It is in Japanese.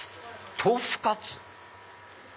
豆腐カツ？